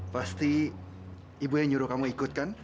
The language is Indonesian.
pasti ibu yang nyuruh kamu ikut kan